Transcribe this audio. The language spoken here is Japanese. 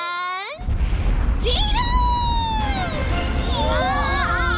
うわ！